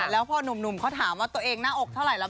แล้วพอหนุ่มเขาถามว่าตัวเองหน้าอกเท่าไหร่แล้ว